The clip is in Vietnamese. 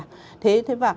điều này là một bệnh